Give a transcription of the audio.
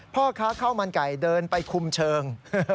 พ่อค้าข้าวมันไก่เดินไปคุมเชิง